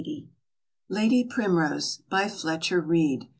] LADY PRIMROSE. BY FLETCHER READE.